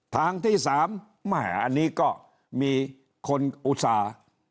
ทางที่๓อันนี้ก็มีคนอุตส่าห์